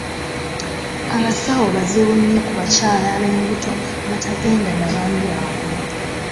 Abasawo bazibu nnyo ku bakyala ab'embuto abatagenda na baami baabwe.